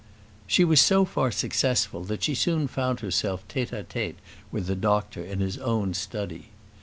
She was so far successful that she soon found herself tête à tête with the doctor in his own study.